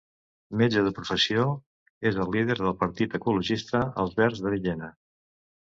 Metge de professió, és el líder del partit ecologista Els Verds de Villena.